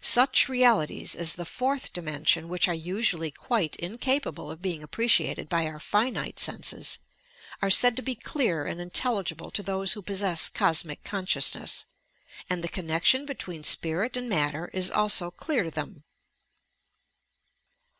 Such realities as the "fourth dimension," which are usually quite in capable of bein^ appreciated by our finite senses, are said to be clear and intelligible to those who possess Cosmic Consciousness, and the connection between spirit and matter is also clear to them.